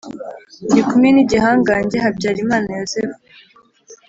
ndi kumwe n'igihangange habyarimana yozefu